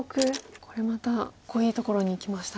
これまたかっこいいところにいきましたが。